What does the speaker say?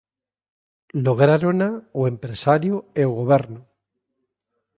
Lográrona o empresario e o Goberno.